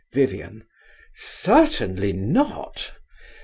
VIVIAN. Certainly not!